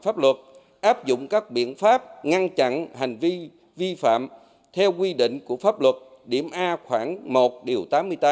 pháp luật áp dụng các biện pháp ngăn chặn hành vi vi phạm theo quy định của pháp luật điểm a khoảng một điều tám mươi tám